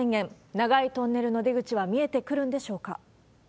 長いトンネルの出口は見えてくるんでしょうか。